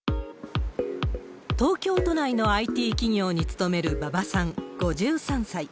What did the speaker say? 東京都内のＩＴ企業に勤める馬場さん５３歳。